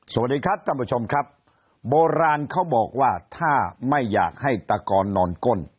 สวัสดีครับท่านผู้ชมครับโบราณเขาบอกว่าถ้าไม่อยากให้ตะกอนนอนก้น